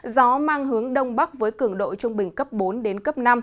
gió mang hướng đông bắc với cường độ trung bình cấp bốn đến cấp năm